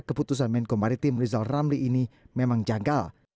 keputusan menko maritim rizal ramli ini memang janggal